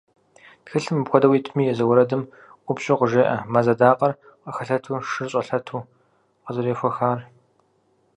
Тхылъым апхуэдэу итми, езы уэрэдым ӏупщӏу къыжеӏэ «мэз адакъэр къыхэлъэту, шыр щӏэлъэту» къызэрехуэхар.